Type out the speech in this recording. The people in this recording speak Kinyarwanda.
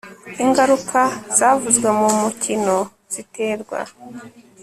ingaruka zavuzwe mu mukino ziterwa